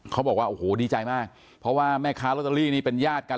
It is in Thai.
เขาบอกว่าโอ้โหดีใจมากเพราะว่าแม่ค้าลอตเตอรี่นี่เป็นญาติกัน